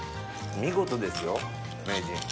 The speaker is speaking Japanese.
見事ですよ名人。